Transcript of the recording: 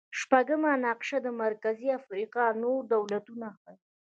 شپږمه نقشه د مرکزي افریقا نور دولتونه ښيي.